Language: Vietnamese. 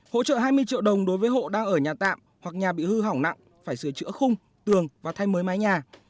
hỗ trợ hai mươi triệu đồng đối với hộ đang ở nhà tạm hoặc nhà bị hư hỏng nặng phải sửa chữa khung tường và thay mới mái nhà